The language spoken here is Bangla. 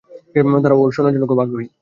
দাঁড়াও, ওরা শোনার জন্য খুব আগ্রহী।